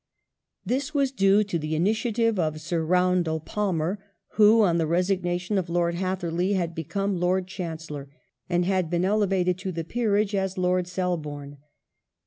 This was due to the initiative of Sir Roundell Palmer who, on the resignation of Lord Hatherley, had become Lord Chancellor and been elevated to the Peerage as Lord Selborne.